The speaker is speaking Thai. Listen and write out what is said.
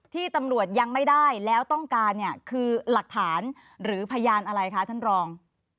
ที่ตำรวจยังไม่ได้แล้วต้องการเนี่ยคือหลักฐานหรือพยานอะไรคะท่านรอง